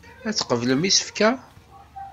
Ad tqeblem isefka.